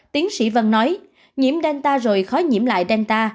tiến sĩ vân nói nhiễm delta rồi khó nhiễm lại danta